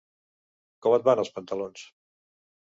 Com et van, els pantalons?